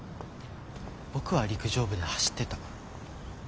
僕は陸上部で走ってた。